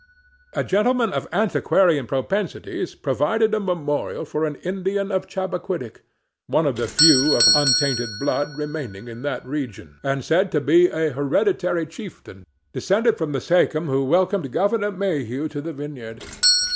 A gentleman of antiquarian propensities provided a memorial for an Indian of Chabbiquidick—one of the few of untainted blood remaining in that region, and said to be a hereditary chieftain descended from the sachem who welcomed Governor Mayhew to the Vineyard.